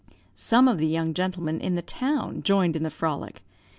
"Some of the young gentlemen in the town joined in the frolic.